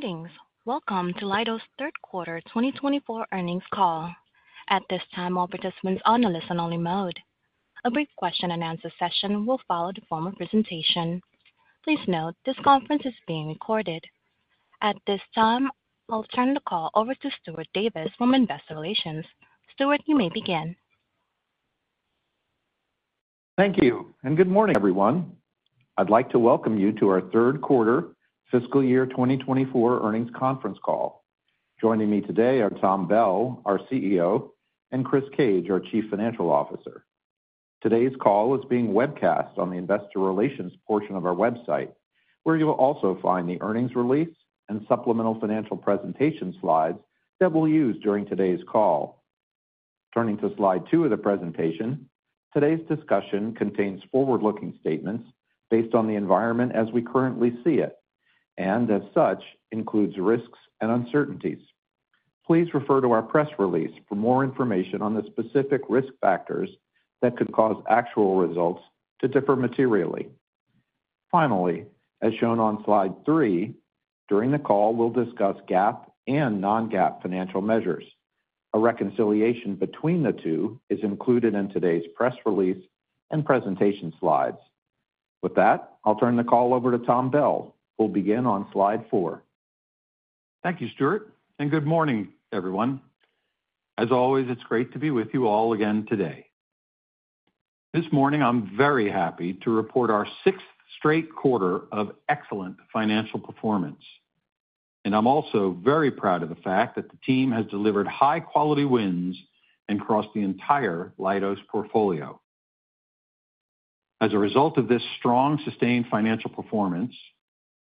Greetings. Welcome to Leidos' third quarter 2024 earnings call. At this time, all participants are on a listen-only mode. A brief question-and-answer session will follow the form of presentation. Please note this conference is being recorded. At this time, I'll turn the call over to Stuart Davis from Investor Relations. Stuart, you may begin. Thank you, and good morning, everyone. I'd like to welcome you to our third quarter fiscal year 2024 earnings conference call. Joining me today are Tom Bell, our CEO, and Chris Cage, our Chief Financial Officer. Today's call is being webcast on the Investor Relations portion of our website, where you will also find the earnings release and supplemental financial presentation slides that we'll use during today's call. Turning to slide two of the presentation, today's discussion contains forward-looking statements based on the environment as we currently see it, and as such, includes risks and uncertainties. Please refer to our press release for more information on the specific risk factors that could cause actual results to differ materially. Finally, as shown on slide three, during the call, we'll discuss GAAP and non-GAAP financial measures. A reconciliation between the two is included in today's press release and presentation slides. With that, I'll turn the call over to Tom Bell, who will begin on slide four. Thank you, Stuart, and good morning, everyone. As always, it's great to be with you all again today. This morning, I'm very happy to report our sixth straight quarter of excellent financial performance, and I'm also very proud of the fact that the team has delivered high-quality wins across the entire Leidos portfolio. As a result of this strong, sustained financial performance,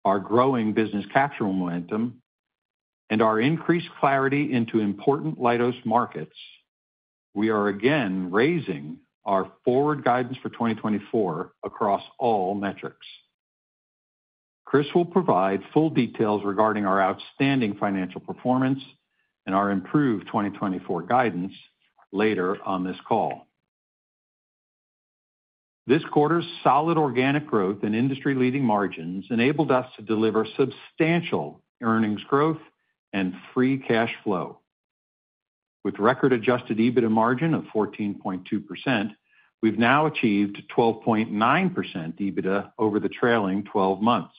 our growing business capture momentum, and our increased clarity into important Leidos markets, we are again raising our forward guidance for 2024 across all metrics. Chris will provide full details regarding our outstanding financial performance and our improved 2024 guidance later on this call. This quarter's solid organic growth and industry-leading margins enabled us to deliver substantial earnings growth and free cash flow. With record-adjusted EBITDA margin of 14.2%, we've now achieved 12.9% EBITDA over the trailing 12 months.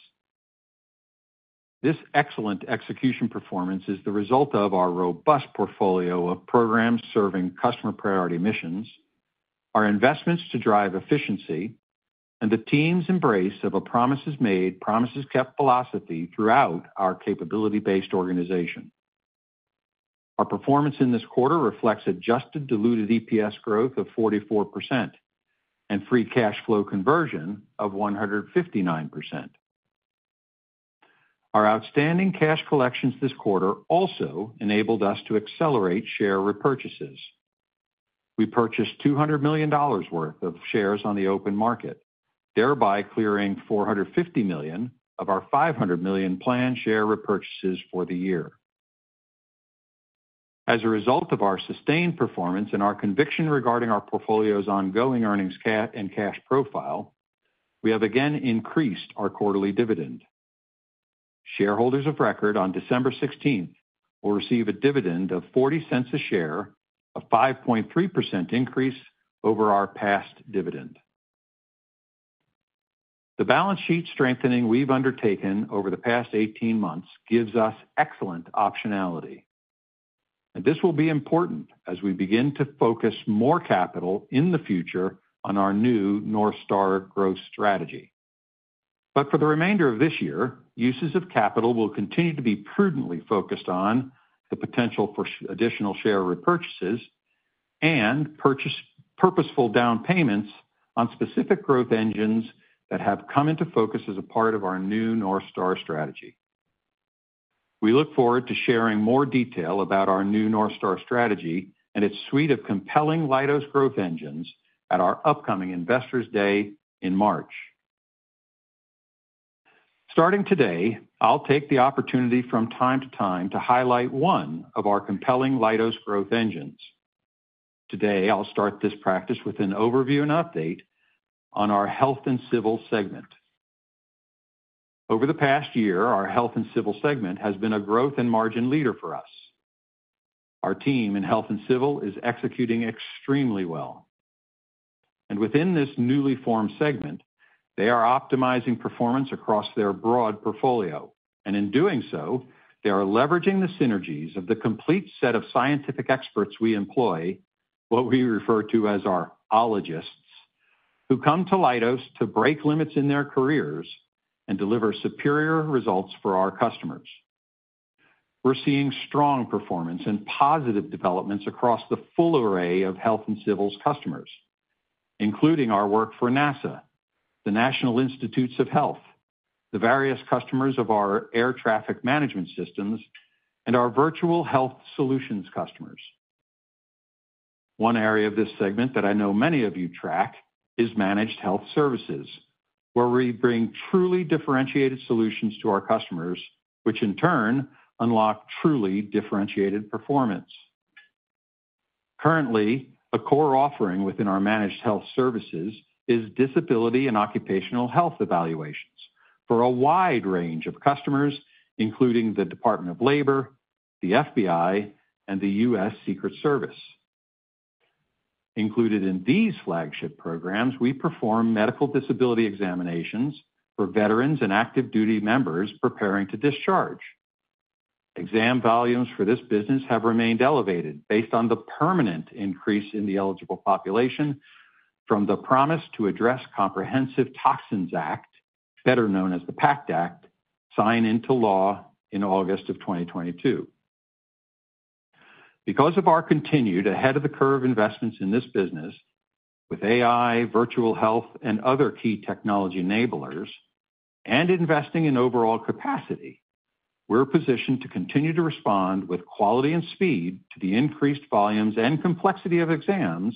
This excellent execution performance is the result of our robust portfolio of programs serving customer priority missions, our investments to drive efficiency, and the team's embrace of a promises-made, promises-kept philosophy throughout our capability-based organization. Our performance in this quarter reflects adjusted diluted EPS growth of 44% and free cash flow conversion of 159%. Our outstanding cash collections this quarter also enabled us to accelerate share repurchases. We purchased $200 million worth of shares on the open market, thereby clearing $450 million of our $500 million planned share repurchases for the year. As a result of our sustained performance and our conviction regarding our portfolio's ongoing earnings cap and cash profile, we have again increased our quarterly dividend. Shareholders of record on December 16th will receive a dividend of $0.40 a share, a 5.3% increase over our past dividend. The balance sheet strengthening we've undertaken over the past 18 months gives us excellent optionality, and this will be important as we begin to focus more capital in the future on our new North Star growth strategy. But for the remainder of this year, uses of capital will continue to be prudently focused on the potential for additional share repurchases and purposeful down payments on specific growth engines that have come into focus as a part of our new North Star strategy. We look forward to sharing more detail about our new North Star strategy and its suite of compelling Leidos growth engines at our upcoming Investors' Day in March. Starting today, I'll take the opportunity from time to time to highlight one of our compelling Leidos growth engines. Today, I'll start this practice with an overview and update on our Health and Civil segment. Over the past year, our Health and Civil segment has been a growth and margin leader for us. Our team in Health and Civil is executing extremely well. And within this newly formed segment, they are optimizing performance across their broad portfolio. And in doing so, they are leveraging the synergies of the complete set of scientific experts we employ, what we refer to as our Ologists, who come to Leidos to break limits in their careers and deliver superior results for our customers. We're seeing strong performance and positive developments across the full array of Health and Civil's customers, including our work for NASA, the National Institutes of Health, the various customers of our air traffic management systems, and our virtual health solutions customers. One area of this segment that I know many of you track is Managed Health Services, where we bring truly differentiated solutions to our customers, which in turn unlock truly differentiated performance. Currently, a core offering within our Managed Health Services is disability and occupational health evaluations for a wide range of customers, including the Department of Labor, the FBI, and the U.S. Secret Service. Included in these flagship programs, we perform medical disability examinations for veterans and active duty members preparing to discharge. Exam volumes for this business have remained elevated based on the permanent increase in the eligible population from the Promise to Address Comprehensive Toxics Act, better known as the PACT Act, signed into law in August of 2022. Because of our continued ahead-of-the-curve investments in this business, with AI, virtual health, and other key technology enablers, and investing in overall capacity, we're positioned to continue to respond with quality and speed to the increased volumes and complexity of exams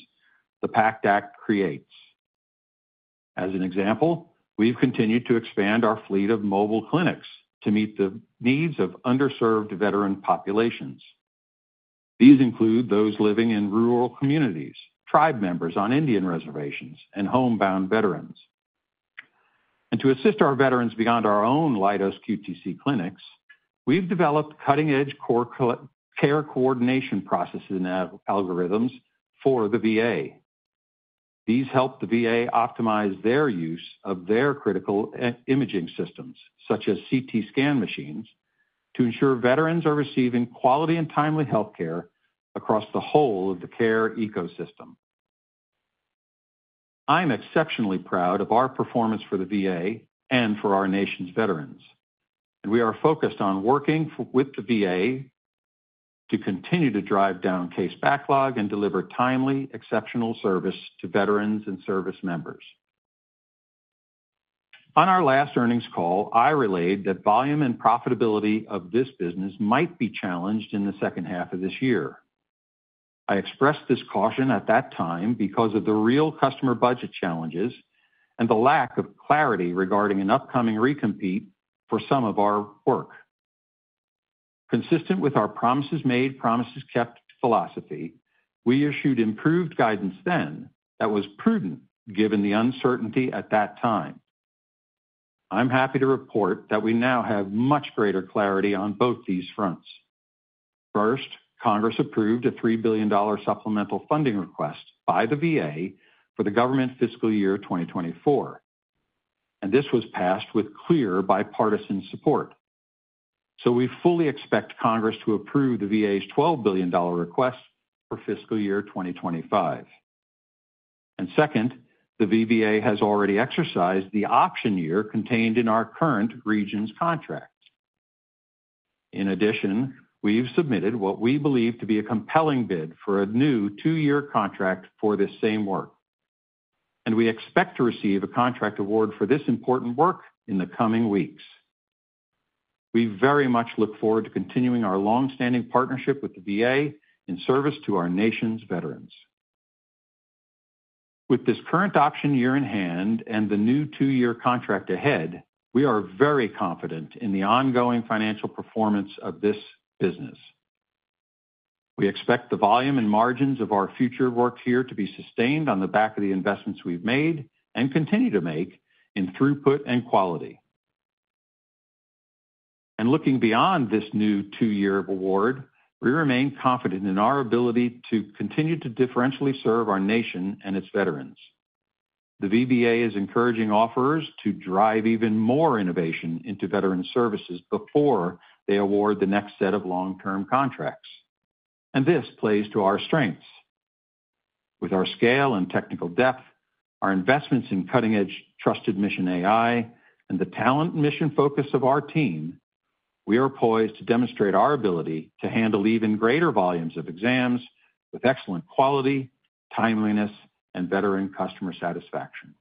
the PACT Act creates. As an example, we've continued to expand our fleet of mobile clinics to meet the needs of underserved veteran populations. These include those living in rural communities, tribe members on Indian reservations, and homebound veterans. And to assist our veterans beyond our own Leidos QTC clinics, we've developed cutting-edge core care coordination processes and algorithms for the VA. These help the VA optimize their use of their critical imaging systems, such as CT scan machines, to ensure veterans are receiving quality and timely healthcare across the whole of the care ecosystem. I'm exceptionally proud of our performance for the VA and for our nation's veterans, and we are focused on working with the VA to continue to drive down case backlog and deliver timely, exceptional service to veterans and service members. On our last earnings call, I relayed that volume and profitability of this business might be challenged in the second half of this year. I expressed this caution at that time because of the real customer budget challenges and the lack of clarity regarding an upcoming recompete for some of our work. Consistent with our promises-made, promises-kept philosophy, we issued improved guidance then that was prudent given the uncertainty at that time. I'm happy to report that we now have much greater clarity on both these fronts. First, Congress approved a $3 billion supplemental funding request by the VA for the government fiscal year 2024, and this was passed with clear bipartisan support, so we fully expect Congress to approve the VA's $12 billion request for fiscal year 2025, and second, the VA has already exercised the option year contained in our current region's contract. In addition, we've submitted what we believe to be a compelling bid for a new two-year contract for this same work, and we expect to receive a contract award for this important work in the coming weeks. We very much look forward to continuing our longstanding partnership with the VA in service to our nation's veterans. With this current option year in hand and the new two-year contract ahead, we are very confident in the ongoing financial performance of this business. We expect the volume and margins of our future work here to be sustained on the back of the investments we've made and continue to make in throughput and quality, and looking beyond this new two-year award, we remain confident in our ability to continue to differentially serve our nation and its veterans. The VBA is encouraging offers to drive even more innovation into veteran services before they award the next set of long-term contracts, and this plays to our strengths. With our scale and technical depth, our investments in cutting-edge Trusted Mission AI, and the talent and mission focus of our team, we are poised to demonstrate our ability to handle even greater volumes of exams with excellent quality, timeliness, and veteran customer satisfaction.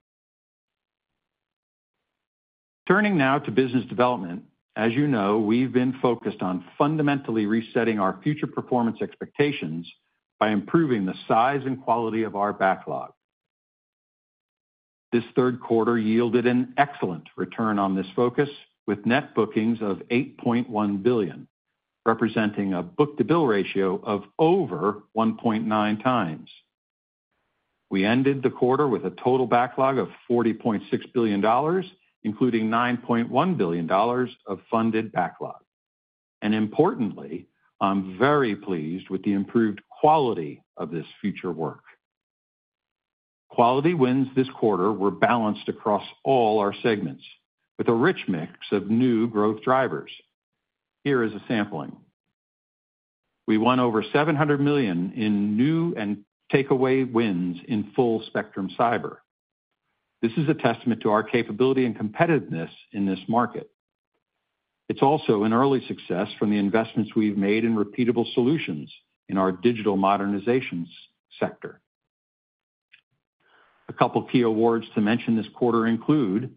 Turning now to business development, as you know, we've been focused on fundamentally resetting our future performance expectations by improving the size and quality of our backlog. This third quarter yielded an excellent return on this focus, with net bookings of $8.1 billion, representing a book-to-bill ratio of over 1.9 times. We ended the quarter with a total backlog of $40.6 billion, including $9.1 billion of funded backlog. Importantly, I'm very pleased with the improved quality of this future work. Quality wins this quarter were balanced across all our segments, with a rich mix of new growth drivers. Here is a sampling. We won over $700 million in new and takeaway wins in Full Spectrum Cyber. This is a testament to our capability and competitiveness in this market. It's also an early success from the investments we've made in repeatable solutions in our Digital Modernization sector. A couple of key awards to mention this quarter include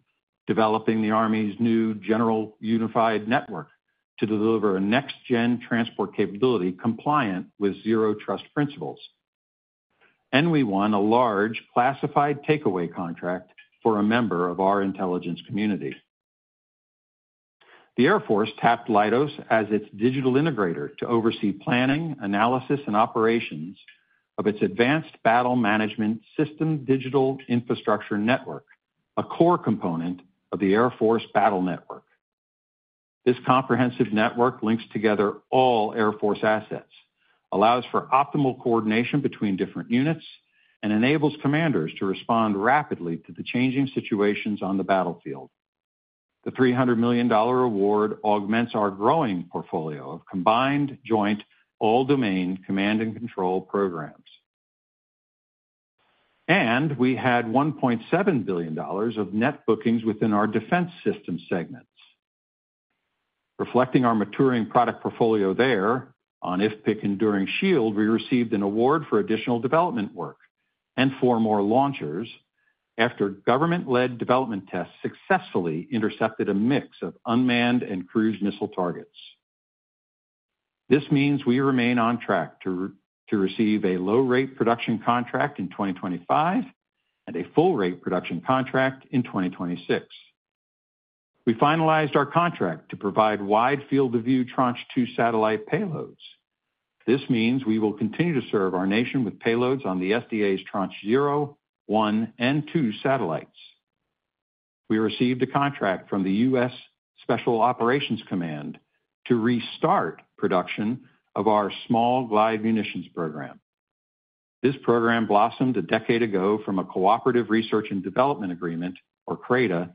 developing the Army's new Global Unified Network to deliver a next-gen transport capability compliant with Zero Trust principles. We won a large classified takeaway contract for a member of our Intelligence Community. The Air Force tapped Leidos as its digital integrator to oversee planning, analysis, and operations of its Advanced Battle Management System digital infrastructure network, a core component of the Air Force battle network. This comprehensive network links together all Air Force assets, allows for optimal coordination between different units, and enables commanders to respond rapidly to the changing situations on the battlefield. The $300 million award augments our growing portfolio of Combined Joint All-Domain Command and Control programs. We had $1.7 billion of net bookings within our Defense System segment. Reflecting our maturing product portfolio there, on IFPC Enduring Shield, we received an award for additional development work and four more launchers after government-led development tests successfully intercepted a mix of unmanned and cruise missile targets. This means we remain on track to receive a low-rate production contract in 2025 and a full-rate production contract in 2026. We finalized our contract to provide Wide Field-of-View Tranche 2 satellite payloads. This means we will continue to serve our nation with payloads on the SDA's Tranche 0, 1, and 2 satellites. We received a contract from the U.S. Special Operations Command to restart production of our Small Glide Munitions program. This program blossomed a decade ago from a cooperative research and development agreement, or CRADA,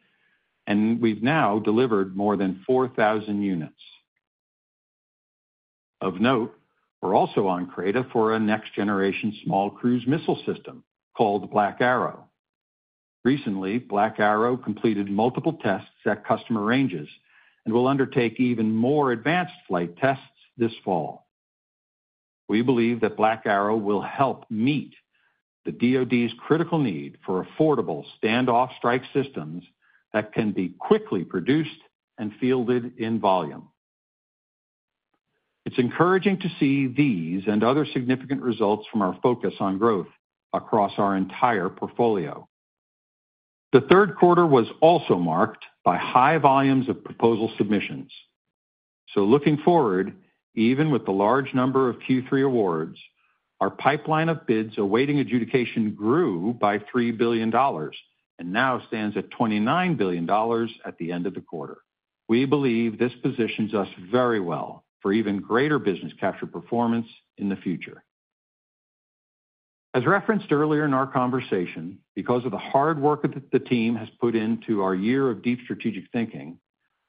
and we've now delivered more than 4,000 units. Of note, we're also on CRADA for a next-generation small cruise missile system called Black Arrow. Recently, Black Arrow completed multiple tests at customer ranges and will undertake even more advanced flight tests this fall. We believe that Black Arrow will help meet the DoD's critical need for affordable standoff strike systems that can be quickly produced and fielded in volume. It's encouraging to see these and other significant results from our focus on growth across our entire portfolio. The third quarter was also marked by high volumes of proposal submissions. So looking forward, even with the large number of Q3 awards, our pipeline of bids awaiting adjudication grew by $3 billion and now stands at $29 billion at the end of the quarter. We believe this positions us very well for even greater business capture performance in the future. As referenced earlier in our conversation, because of the hard work that the team has put into our year of deep strategic thinking,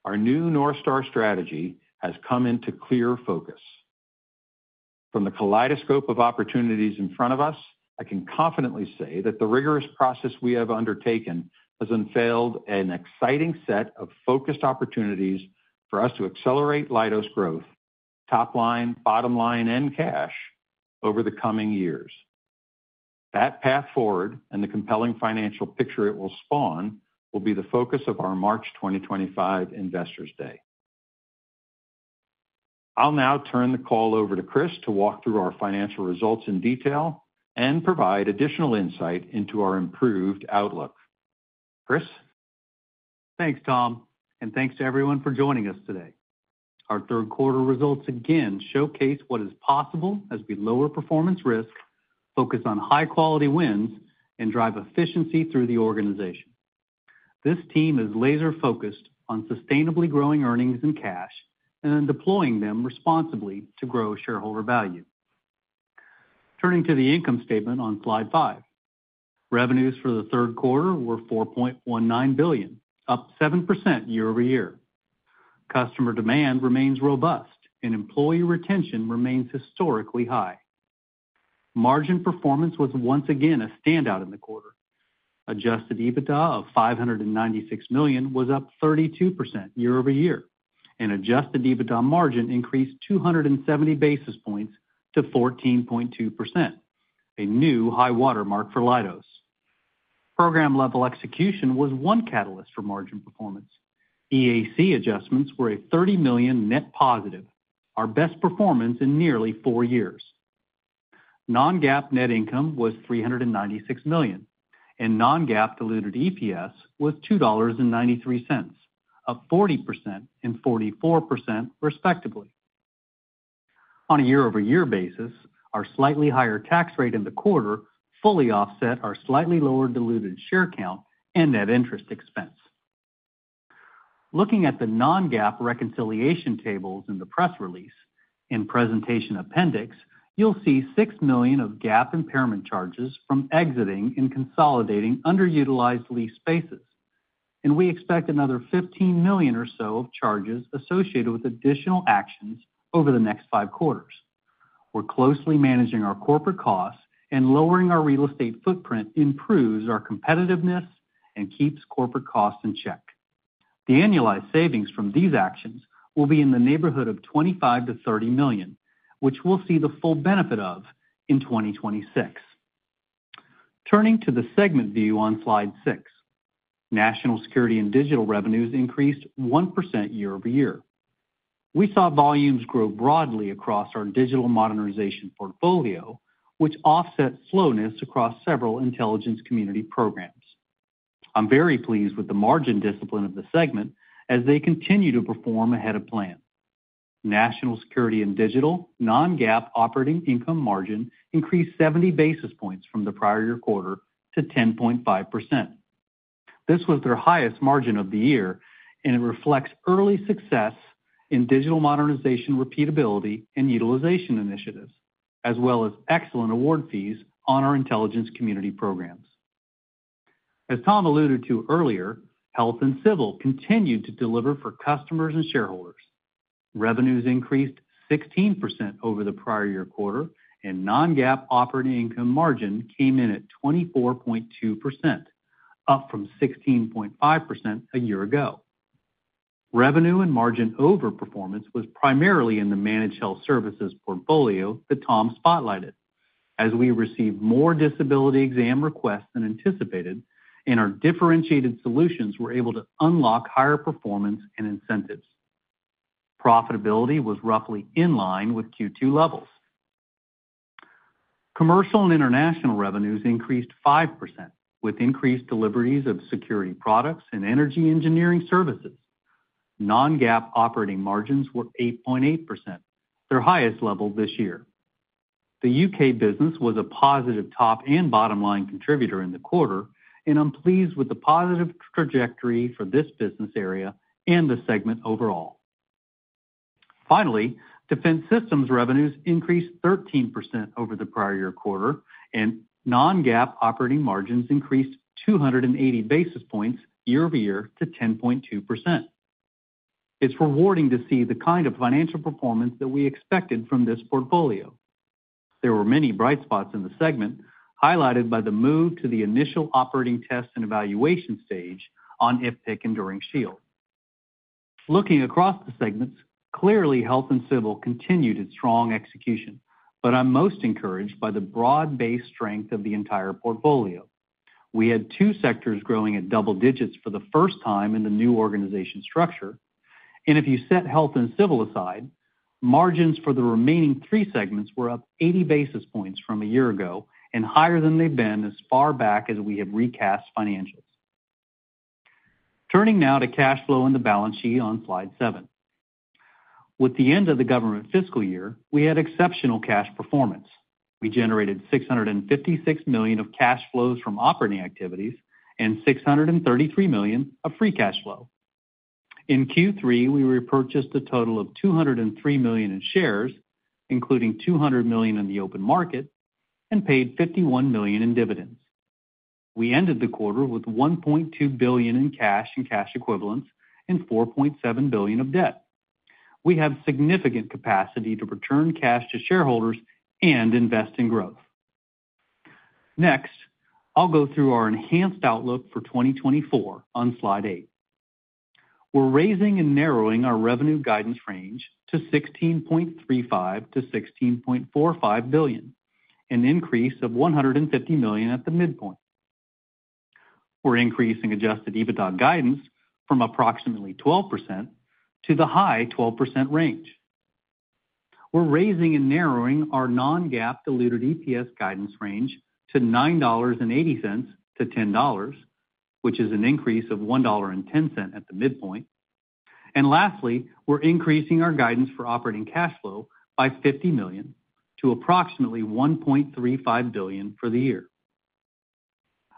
our new North Star strategy has come into clear focus. From the kaleidoscope of opportunities in front of us, I can confidently say that the rigorous process we have undertaken has unveiled an exciting set of focused opportunities for us to accelerate Leidos growth, top line, bottom line, and cash over the coming years. That path forward and the compelling financial picture it will spawn will be the focus of our March 2025 Investors' Day. I'll now turn the call over to Chris to walk through our financial results in detail and provide additional insight into our improved outlook. Chris? Thanks, Tom, and thanks to everyone for joining us today. Our third quarter results again showcase what is possible as we lower performance risk, focus on high-quality wins, and drive efficiency through the organization. This team is laser-focused on sustainably growing earnings and cash and then deploying them responsibly to grow shareholder value. Turning to the income statement on slide five, revenues for the third quarter were $4.19 billion, up 7% year-over-year. Customer demand remains robust, and employee retention remains historically high. Margin performance was once again a standout in the quarter. Adjusted EBITDA of $596 million was up 32% year-over-year, and adjusted EBITDA margin increased 270 basis points to 14.2%, a new high watermark for Leidos. Program-level execution was one catalyst for margin performance. EAC adjustments were a $30 million net positive, our best performance in nearly four years. Non-GAAP net income was $396 million, and non-GAAP diluted EPS was $2.93, up 40% and 44% respectively. On a year-over-year basis, our slightly higher tax rate in the quarter fully offset our slightly lower diluted share count and net interest expense. Looking at the non-GAAP reconciliation tables in the press release and presentation appendix, you'll see $6 million of GAAP impairment charges from exiting and consolidating underutilized lease spaces, and we expect another $15 million or so of charges associated with additional actions over the next five quarters. We're closely managing our corporate costs, and lowering our real estate footprint improves our competitiveness and keeps corporate costs in check. The annualized savings from these actions will be in the neighborhood of $25 million-$30 million, which we'll see the full benefit of in 2026. Turning to the segment view on slide six, National Security and Digital revenues increased 1% year-over-year. We saw volumes grow broadly across our Digital Modernization portfolio, which offsets slowness across several Intelligence Community programs. I'm very pleased with the margin discipline of the segment as they continue to perform ahead of plan. National Security and Digital non-GAAP operating income margin increased 70 basis points from the prior year quarter to 10.5%. This was their highest margin of the year, and it reflects early success in Digital Modernization repeatability and utilization initiatives, as well as excellent award fees on our Intelligence Community programs. As Tom alluded to earlier, Health and Civil continued to deliver for customers and shareholders. Revenues increased 16% over the prior year quarter, and non-GAAP operating income margin came in at 24.2%, up from 16.5% a year ago. Revenue and margin over performance was primarily in the Managed Health Services portfolio that Tom spotlighted. As we received more disability exam requests than anticipated, and our differentiated solutions were able to unlock higher performance and incentives. Profitability was roughly in line with Q2 levels. Commercial and International revenues increased 5%, with increased deliveries of security products and energy engineering services. Non-GAAP operating margins were 8.8%, their highest level this year. The UK business was a positive top and bottom line contributor in the quarter, and I'm pleased with the positive trajectory for this business area and the segment overall. Finally, Defense Systems revenues increased 13% over the prior year quarter, and non-GAAP operating margins increased 280 basis points year-over-year to 10.2%. It's rewarding to see the kind of financial performance that we expected from this portfolio. There were many bright spots in the segment, highlighted by the move to the initial operating test and evaluation stage on IFPC Enduring Shield. Looking across the segments, clearly Health and Civil continued its strong execution, but I'm most encouraged by the broad-based strength of the entire portfolio. We had two sectors growing at double digits for the first time in the new organizational structure, and if you set Health and Civil aside, margins for the remaining three segments were up 80 basis points from a year ago and higher than they've been as far back as we have recast financials. Turning now to cash flow and the balance sheet on slide seven. With the end of the government fiscal year, we had exceptional cash performance. We generated $656 million of cash flows from operating activities and $633 million of free cash flow. In Q3, we repurchased a total of $203 million in shares, including $200 million in the open market, and paid $51 million in dividends. We ended the quarter with $1.2 billion in cash and cash equivalents and $4.7 billion of debt. We have significant capacity to return cash to shareholders and invest in growth. Next, I'll go through our enhanced outlook for 2024 on slide eight. We're raising and narrowing our revenue guidance range to $16.35 billion-$16.45 billion, an increase of $150 million at the midpoint. We're increasing adjusted EBITDA guidance from approximately 12% to the high 12% range. We're raising and narrowing our non-GAAP diluted EPS guidance range to $9.80-$10, which is an increase of $1.10 at the midpoint, and lastly, we're increasing our guidance for operating cash flow by $50 million to approximately $1.35 billion for the year.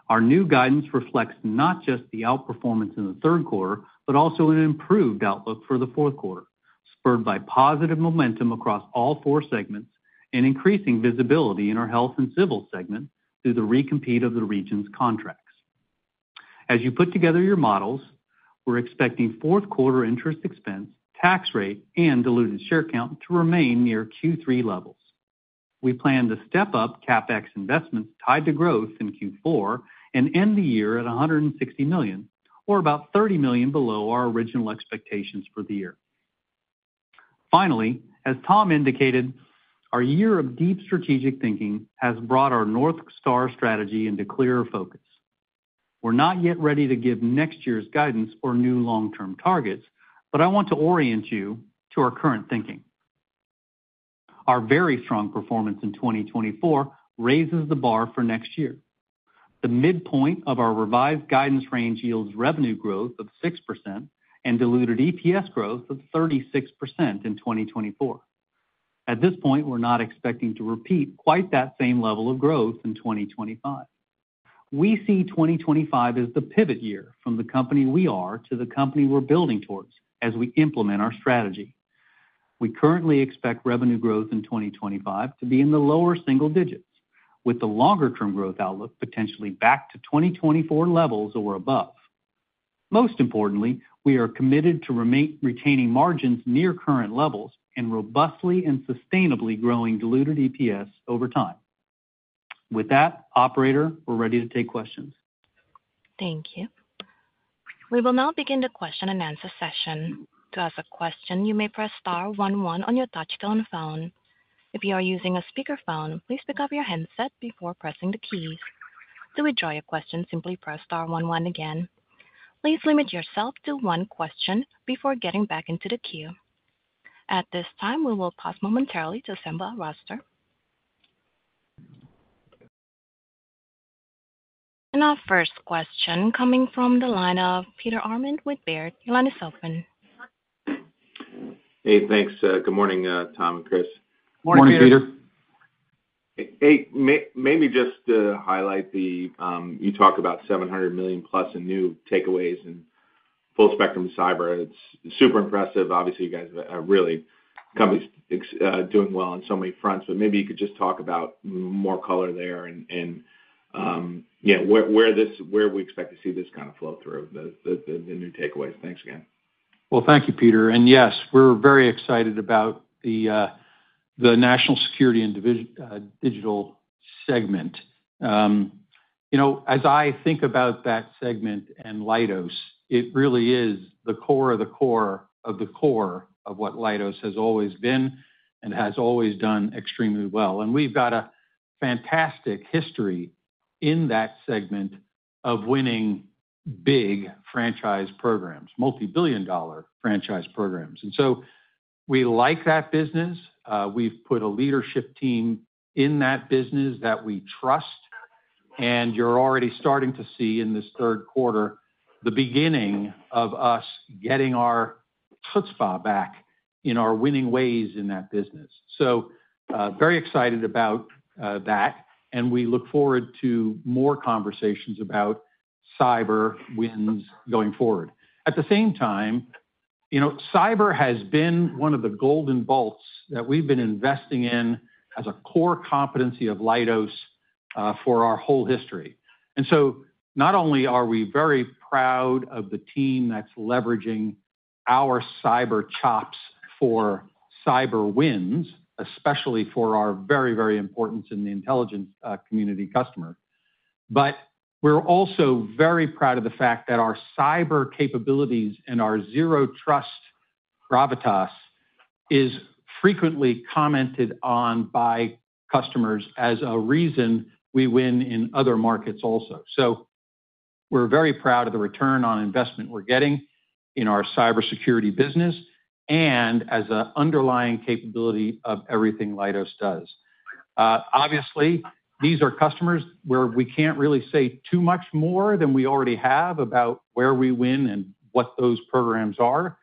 Our new guidance reflects not just the outperformance in the third quarter, but also an improved outlook for the fourth quarter, spurred by positive momentum across all four segments and increasing visibility in our health and civil segment through the recompete of the region's contracts. As you put together your models, we're expecting fourth quarter interest expense, tax rate, and diluted share count to remain near Q3 levels. We plan to step up CapEx investments tied to growth in Q4 and end the year at $160 million, or about $30 million below our original expectations for the year. Finally, as Tom indicated, our year of deep strategic thinking has brought our North Star strategy into clearer focus. We're not yet ready to give next year's guidance or new long-term targets, but I want to orient you to our current thinking. Our very strong performance in 2024 raises the bar for next year. The midpoint of our revised guidance range yields revenue growth of 6% and diluted EPS growth of 36% in 2024. At this point, we're not expecting to repeat quite that same level of growth in 2025. We see 2025 as the pivot year from the company we are to the company we're building towards as we implement our strategy. We currently expect revenue growth in 2025 to be in the lower single digits, with the longer-term growth outlook potentially back to 2024 levels or above. Most importantly, we are committed to retaining margins near current levels and robustly and sustainably growing diluted EPS over time. With that, Operator, we're ready to take questions. Thank you. We will now begin the question and answer session. To ask a question, you may press star one one on your touchscreen phone. If you are using a speakerphone, please pick up your headset before pressing the keys. To withdraw your question, simply press star one one again. Please limit yourself to one question before getting back into the queue. At this time, we will pause momentarily to assemble our roster. Our first question coming from the line of Peter Arment with Baird. Your line is open. Hey, thanks. Good morning, Tom and Chris. Good morning, Peter. Good morning, Peter. Hey, maybe just to highlight that you talked about $700 million plus in new takeaways and Full Spectrum Cyber. It's super impressive. Obviously, you guys are really companies doing well on so many fronts, but maybe you could just talk about more color there and where we expect to see this kind of flow through the new takeaways. Thanks again. Thank you, Peter. Yes, we're very excited about the National Security and Digital segment. As I think about that segment and Leidos, it really is the core of the core of the core of what Leidos has always been and has always done extremely well. And we've got a fantastic history in that segment of winning big franchise programs, multi-billion dollar franchise programs. And so we like that business. We've put a leadership team in that business that we trust, and you're already starting to see in this third quarter the beginning of us getting our chutzpah back in our winning ways in that business. So very excited about that, and we look forward to more conversations about cyber wins going forward. At the same time, cyber has been one of the Golden Bolts that we've been investing in as a core competency of Leidos for our whole history. And so not only are we very proud of the team that's leveraging our cyber chops for cyber wins, especially for our very, very important in the Intelligence Community customer, but we're also very proud of the fact that our cyber capabilities and our Zero Trust gravitas is frequently commented on by customers as a reason we win in other markets also. So we're very proud of the return on investment we're getting in our cybersecurity business and as an underlying capability of everything Leidos does. Obviously, these are customers where we can't really say too much more than we already have about where we win and what those programs are,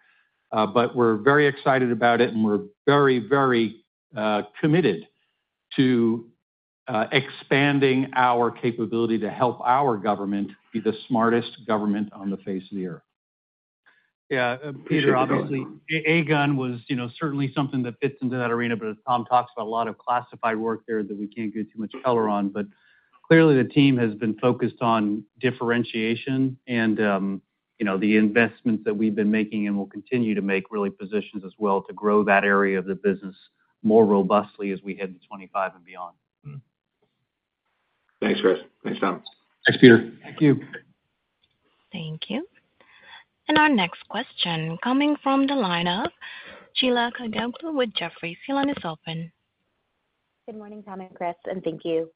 but we're very excited about it, and we're very, very committed to expanding our capability to help our government be the smartest government on the face of the earth. Yeah, Peter, obviously, AGUN was certainly something that fits into that arena, but Tom talks about a lot of classified work there that we can't get too much color on. But clearly, the team has been focused on differentiation and the investments that we've been making and will continue to make really positions us well to grow that area of the business more robustly as we head to 2025 and beyond. Thanks, Chris. Thanks, Tom. Thanks, Peter. Thank you. Thank you. Our next question coming from the line of Sheila Kahyaoglu with Jefferies. Your line is open. Good morning, Tom and Chris, and thank you.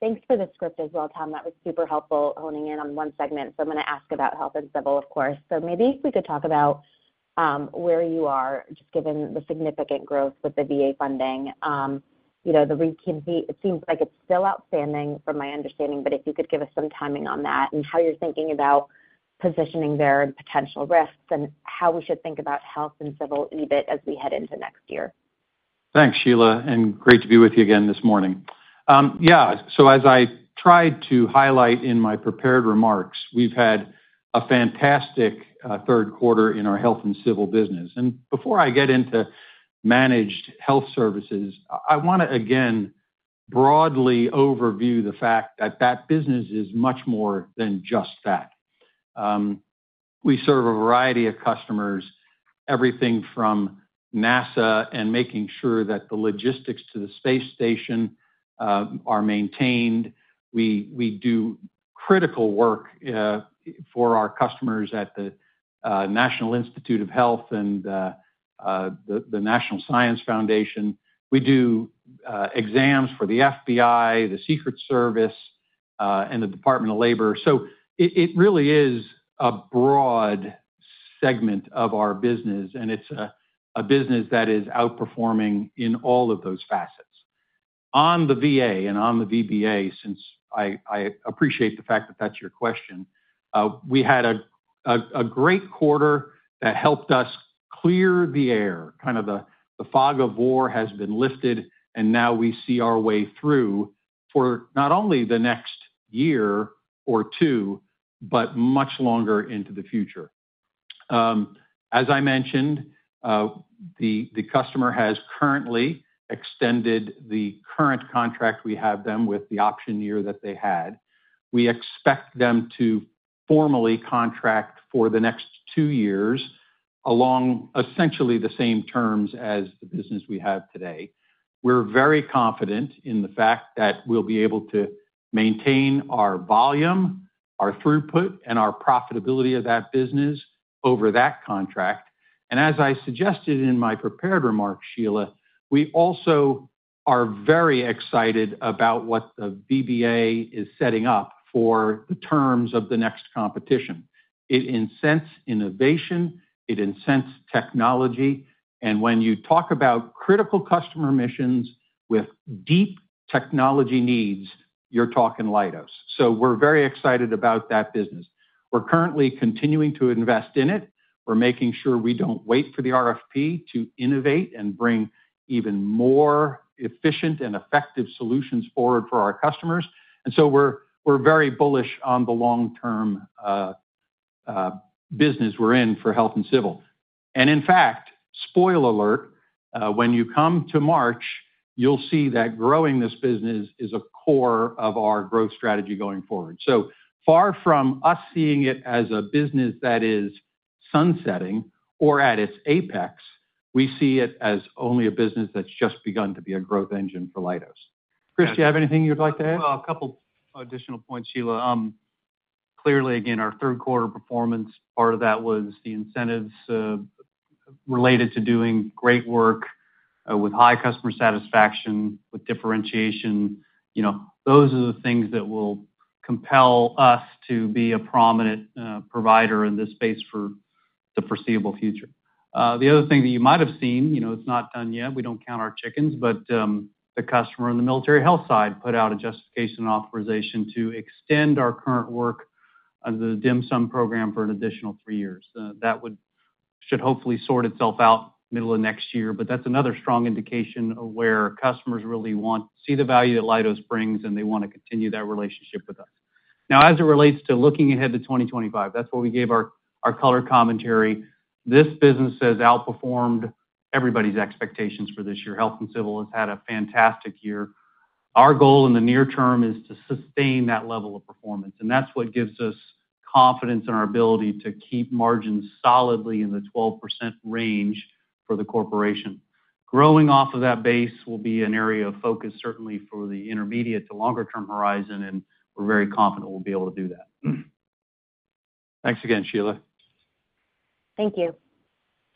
Thanks for the recap as well, Tom. That was super helpful honing in on one segment. So I'm going to ask about health and civil, of course. So maybe if we could talk about where you are, just given the significant growth with the VA funding. It seems like it's still outstanding, from my understanding, but if you could give us some timing on that and how you're thinking about positioning there and potential risks and how we should think about health and civil even as we head into next year. Thanks, Sheila, and great to be with you again this morning. Yeah, so as I tried to highlight in my prepared remarks, we've had a fantastic third quarter in our health and civil business. And before I get into Managed Health Services, I want to again broadly overview the fact that that business is much more than just that. We serve a variety of customers, everything from NASA and making sure that the logistics to the space station are maintained. We do critical work for our customers at the National Institutes of Health and the National Science Foundation. We do exams for the FBI, the Secret Service, and the Department of Labor. So it really is a broad segment of our business, and it is a business that is outperforming in all of those facets. On the VA and on the VBA, since I appreciate the fact that that is your question, we had a great quarter that helped us clear the air. Kind of the fog of war has been lifted, and now we see our way through for not only the next year or two, but much longer into the future. As I mentioned, the customer has currently extended the current contract we have with them with the option year that they had. We expect them to formally contract for the next two years along essentially the same terms as the business we have today. We're very confident in the fact that we'll be able to maintain our volume, our throughput, and our profitability of that business over that contract. And as I suggested in my prepared remarks, Sheila, we also are very excited about what the VBA is setting up for the terms of the next competition. It incents innovation. It incents technology. And when you talk about critical customer missions with deep technology needs, you're talking Leidos. So we're very excited about that business. We're currently continuing to invest in it. We're making sure we don't wait for the RFP to innovate and bring even more efficient and effective solutions forward for our customers. And so we're very bullish on the long-term business we're in for health and civil. In fact, spoiler alert, when you come to March, you'll see that growing this business is a core of our growth strategy going forward. Far from us seeing it as a business that is sunsetting or at its apex, we see it as only a business that's just begun to be a growth engine for Leidos. Chris, do you have anything you'd like to add? A couple additional points, Sheila. Clearly, again, our third quarter performance, part of that was the incentives related to doing great work with high customer satisfaction with differentiation. Those are the things that will compel us to be a prominent provider in this space for the foreseeable future. The other thing that you might have seen, it's not done yet. We don't count our chickens, but the customer on the military health side put out a justification and authorization to extend our current work under the DHMSM program for an additional three years. That should hopefully sort itself out middle of next year, but that's another strong indication of where customers really want to see the value that Leidos brings, and they want to continue that relationship with us. Now, as it relates to looking ahead to 2025, that's where we gave our color commentary. This business has outperformed everybody's expectations for this year. Health and civil has had a fantastic year. Our goal in the near term is to sustain that level of performance, and that's what gives us confidence in our ability to keep margins solidly in the 12% range for the corporation. Growing off of that base will be an area of focus, certainly for the intermediate to longer-term horizon, and we're very confident we'll be able to do that. Thanks again, Sheila. Thank you.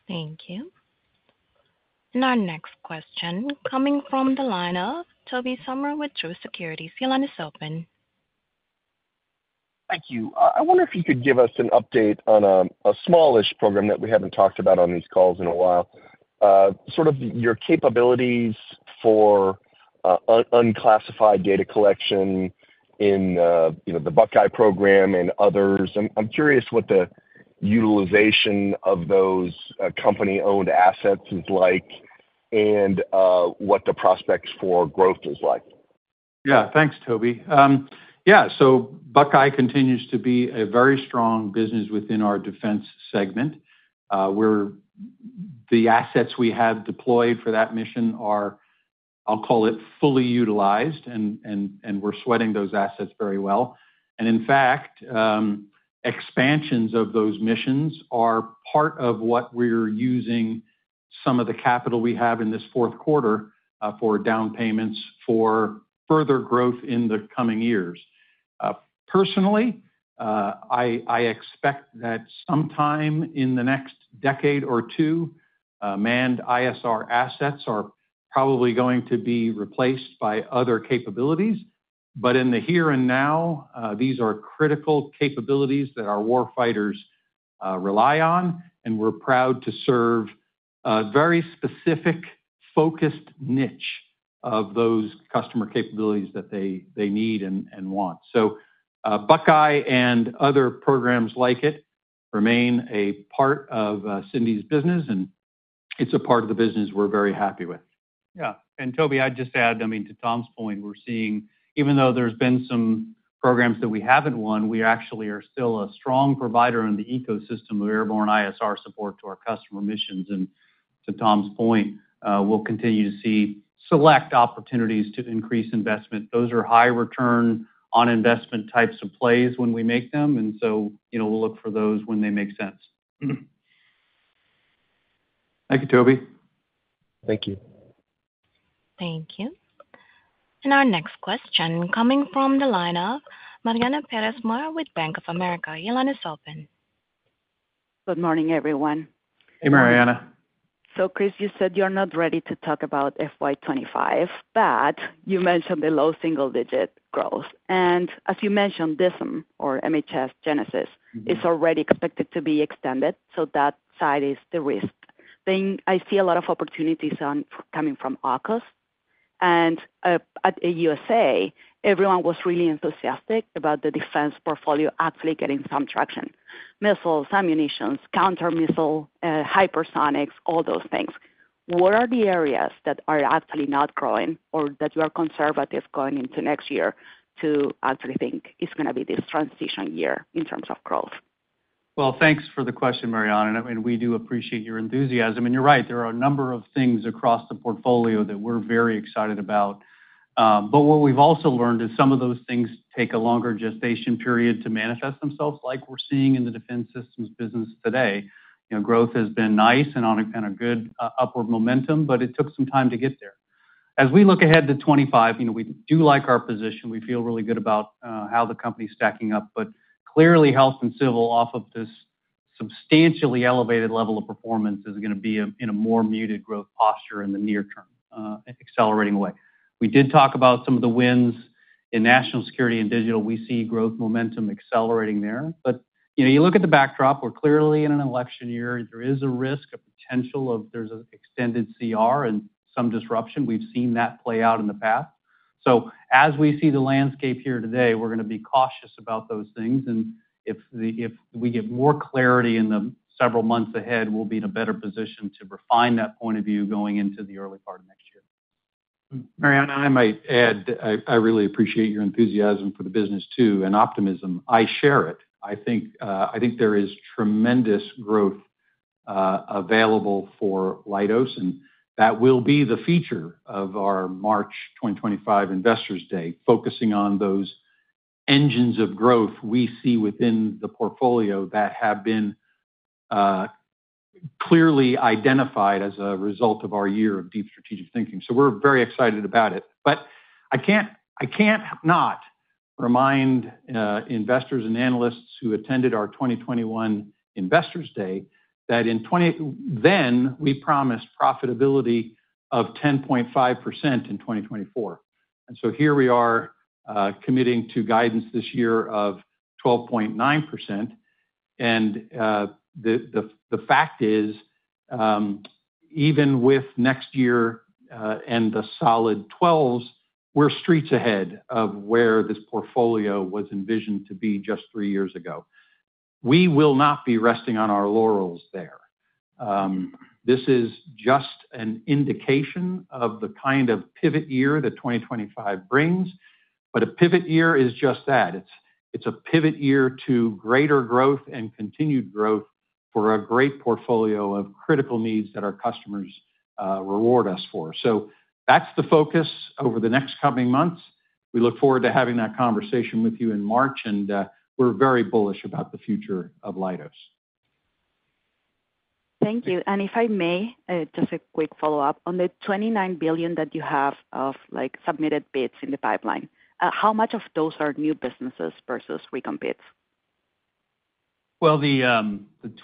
Thank you. And our next question coming from the line of Tobey Sommer with Truist Securities. Your line is open. Thank you. I wonder if you could give us an update on a smallish program that we haven't talked about on these calls in a while. Sort of your capabilities for unclassified data collection in the BuckEye program and others. I'm curious what the utilization of those company-owned assets is like and what the prospects for growth is like. Yeah, thanks, Toby. Yeah, so BuckEye continues to be a very strong business within our defense segment. The assets we have deployed for that mission are, I'll call it, fully utilized, and we're sweating those assets very well. And in fact, expansions of those missions are part of what we're using some of the capital we have in this fourth quarter for down payments for further growth in the coming years. Personally, I expect that sometime in the next decade or two, manned ISR assets are probably going to be replaced by other capabilities. But in the here and now, these are critical capabilities that our war fighters rely on, and we're proud to serve a very specific focused niche of those customer capabilities that they need and want. So BuckEye and other programs like it remain a part of Cindy's business, and it's a part of the business we're very happy with. Yeah. And Toby, I'd just add, I mean, to Tom's point, we're seeing, even though there's been some programs that we haven't won, we actually are still a strong provider in the ecosystem of airborne ISR support to our customer missions. And to Tom's point, we'll continue to see select opportunities to increase investment. Those are high return on investment types of plays when we make them, and so we'll look for those when they make sense. Thank you, Toby. Thank you. Thank you. And our next question coming from the line of Mariana Pérez Mora with Bank of America. Your line is open. Good morning, everyone. Hey, Mariana. So, Chris, you said you're not ready to talk about FY25, but you mentioned the low single-digit growth. And as you mentioned, DHMSM or MHS GENESIS is already expected to be extended, so that side is the risk. I see a lot of opportunities coming from AUKUS. And at AUSA, everyone was really enthusiastic about the defense portfolio actually getting some traction: missiles, ammunitions, counter-missile, hypersonics, all those things. What are the areas that are actually not growing or that you are conservative going into next year to actually think it's going to be this transition year in terms of growth? Well, thanks for the question, Mariana. And we do appreciate your enthusiasm. And you're right, there are a number of things across the portfolio that we're very excited about. But what we've also learned is some of those things take a longer gestation period to manifest themselves, like we're seeing in the Defense Systems business today. Growth has been nice and on a kind of good upward momentum, but it took some time to get there. As we look ahead to 2025, we do like our position. We feel really good about how the company is stacking up, but clearly, Health and Civil off of this substantially elevated level of performance is going to be in a more muted growth posture in the near term, accelerating away. We did talk about some of the wins in National Security and Digital. We see growth momentum accelerating there. But you look at the backdrop, we're clearly in an election year. There is a risk, a potential of there's an extended CR and some disruption. We've seen that play out in the past. So as we see the landscape here today, we're going to be cautious about those things. And if we get more clarity in the several months ahead, we'll be in a better position to refine that point of view going into the early part of next year. Mariana, I might add, I really appreciate your enthusiasm for the business too and optimism. I share it. I think there is tremendous growth available for Leidos, and that will be the feature of our March 2025 Investors Day, focusing on those engines of growth we see within the portfolio that have been clearly identified as a result of our year of deep strategic thinking, so we're very excited about it, but I can't not remind investors and analysts who attended our 2021 Investors Day that in 2020, then we promised profitability of 10.5% in 2024, and so here we are committing to guidance this year of 12.9%. And the fact is, even with next year and the solid 12s, we're streets ahead of where this portfolio was envisioned to be just three years ago. We will not be resting on our laurels there. This is just an indication of the kind of pivot year that 2025 brings. But a pivot year is just that. It's a pivot year to greater growth and continued growth for a great portfolio of critical needs that our customers reward us for. So that's the focus over the next coming months. We look forward to having that conversation with you in March, and we're very bullish about the future of Leidos. Thank you. And if I may, just a quick follow-up on the $29 billion that you have of submitted bids in the pipeline, how much of those are new businesses versus recomp bids? Well, the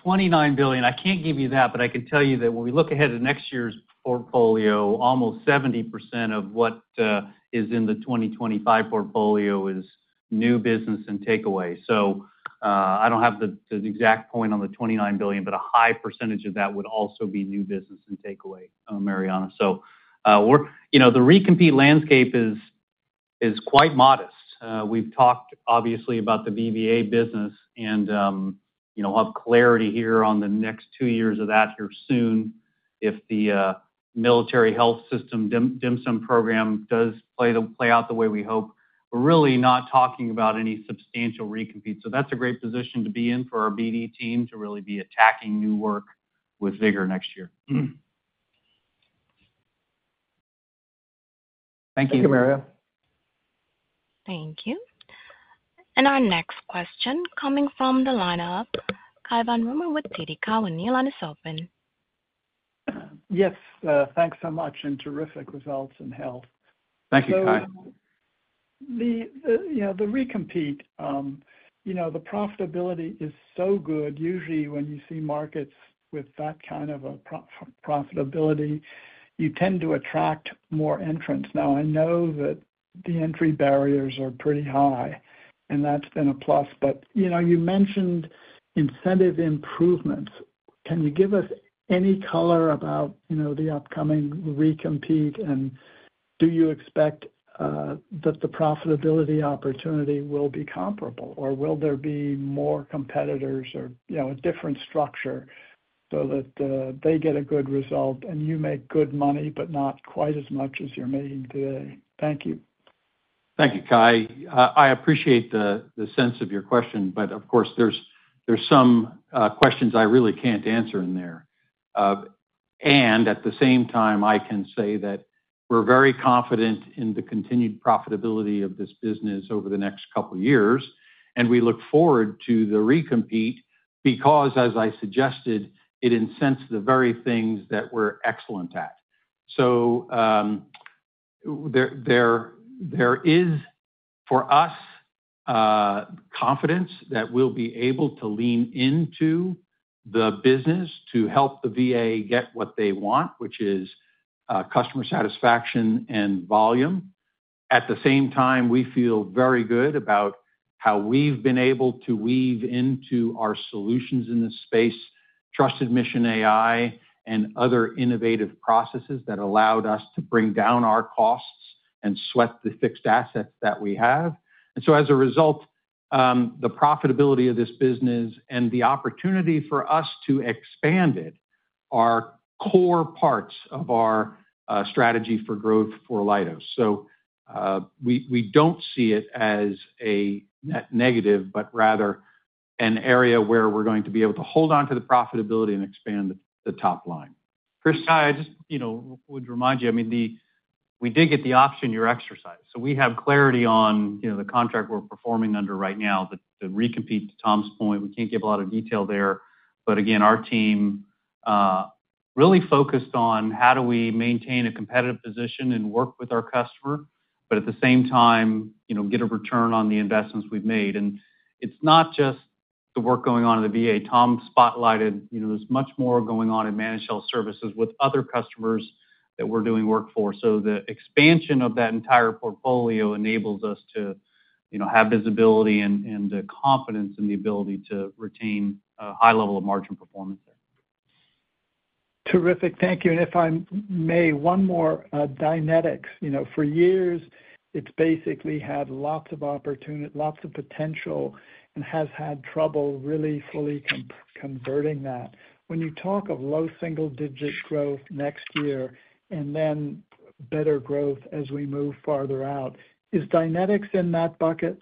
$29 billion, I can't give you that, but I can tell you that when we look ahead to next year's portfolio, almost 70% of what is in the 2025 portfolio is new business and takeaway. So I don't have the exact point on the $29 billion, but a high percentage of that would also be new business and takeaway, Mariana. So the recompete landscape is quite modest. We've talked, obviously, about the VBA business, and we'll have clarity here on the next two years of that here soon if the military health system DHMSM program does play out the way we hope. We're really not talking about any substantial recompete. So that's a great position to be in for our BD team to really be attacking new work with vigor next year. Thank you. Thank you, Mariana. Thank you. And our next question coming from the line of Cai von Rumohr with TD Cowen. Your line is open. Yes. Thanks so much and terrific results in health. Thank you, Cai. The recompete, the profitability is so good. Usually, when you see markets with that kind of a profitability, you tend to attract more entrants. Now, I know that the entry barriers are pretty high, and that's been a plus. But you mentioned incentive improvements. Can you give us any color about the upcoming recompete? And do you expect that the profitability opportunity will be comparable, or will there be more competitors or a different structure so that they get a good result and you make good money, but not quite as much as you're making today? Thank you. Thank you, Cai. I appreciate the sense of your question, but of course, there's some questions I really can't answer in there. And at the same time, I can say that we're very confident in the continued profitability of this business over the next couple of years, and we look forward to the recompete because, as I suggested, it incents the very things that we're excellent at. So there is, for us, confidence that we'll be able to lean into the business to help the VA get what they want, which is customer satisfaction and volume. At the same time, we feel very good about how we've been able to weave into our solutions in this space, Trusted Mission AI and other innovative processes that allowed us to bring down our costs and sweat the fixed assets that we have. And so, as a result, the profitability of this business and the opportunity for us to expand it are core parts of our strategy for growth for Leidos. So we don't see it as a net negative, but rather an area where we're going to be able to hold on to the profitability and expand the top line. Chris? I just would remind you. I mean, we did get the option year exercise. So we have clarity on the contract we're performing under right now, the recompete, to Tom's point. We can't give a lot of detail there. But again, our team really focused on how do we maintain a competitive position and work with our customer, but at the same time, get a return on the investments we've made. And it's not just the work going on in the VA. Tom spotlighted there's much more going on in Managed Health Services with other customers that we're doing work for. So the expansion of that entire portfolio enables us to have visibility and confidence in the ability to retain a high level of margin performance there. Terrific. Thank you, and if I may, one more. Dynetics, for years, it's basically had lots of potential and has had trouble really fully converting that. When you talk of low single-digit growth next year and then better growth as we move farther out, is Dynetics in that bucket?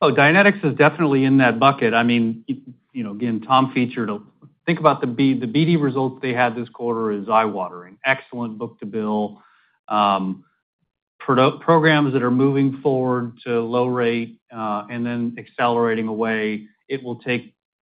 Oh, Dynetics is definitely in that bucket. I mean, again, Tom, if you'd think about the BD results they had this quarter, it's eye-watering. Excellent book-to-bill. Programs that are moving forward to low-rate and then accelerating away. It will take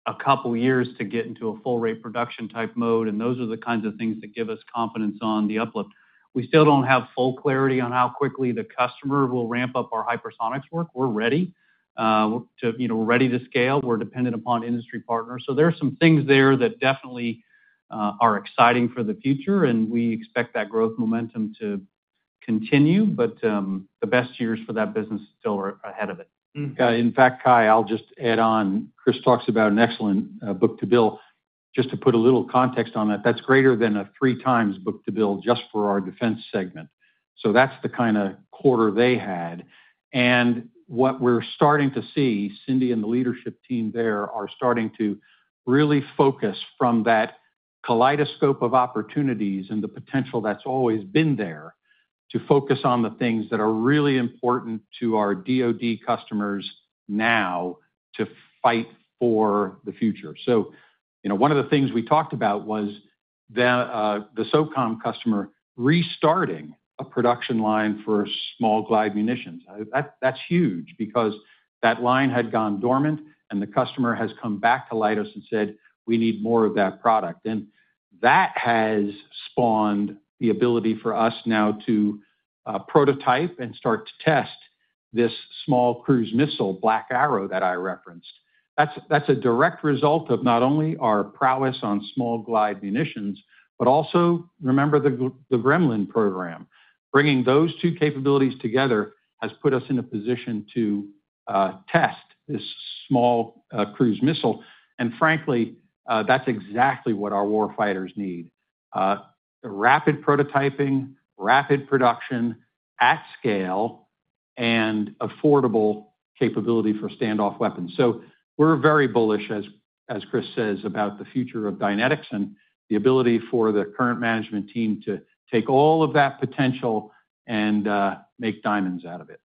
a couple of years to get into a full-rate production type mode. And those are the kinds of things that give us confidence on the uplift. We still don't have full clarity on how quickly the customer will ramp up our hypersonics work. We're ready. We're ready to scale. We're dependent upon industry partners. So there are some things there that definitely are exciting for the future, and we expect that growth momentum to continue. But the best years for that business still are ahead of it. In fact, Cai, I'll just add on. Chris talks about an excellent book-to-bill. Just to put a little context on that, that's greater than a three-times book-to-bill just for our defense segment. So that's the kind of quarter they had. And what we're starting to see, Cindy and the leadership team there are starting to really focus from that kaleidoscope of opportunities and the potential that's always been there to focus on the things that are really important to our DoD customers now to fight for the future. So one of the things we talked about was the SOCOM customer restarting a production line for Small Glide Munitions. That's huge because that line had gone dormant, and the customer has come back to Leidos and said, "We need more of that product." And that has spawned the ability for us now to prototype and start to test this small cruise missile, Black Arrow, that I referenced. That's a direct result of not only our prowess on Small Glide Munitions, but also remember the Gremlin program. Bringing those two capabilities together has put us in a position to test this small cruise missile. And frankly, that's exactly what our war fighters need: rapid prototyping, rapid production at scale, and affordable capability for standoff weapons. So we're very bullish, as Chris says, about the future of Dynetics and the ability for the current management team to take all of that potential and make diamonds out of it.